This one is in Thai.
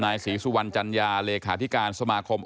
นายสิซูวัญจันยาเลขาถิการสาม